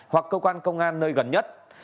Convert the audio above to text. hoặc cơ quan công an nơi gần nhất